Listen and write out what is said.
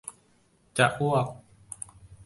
จะอ้วก